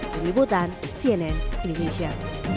berlibutan cnn indonesia